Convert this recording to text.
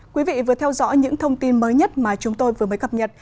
quý vị vừa theo dõi những thông tin mới nhất mà chúng tôi vừa mới cập nhật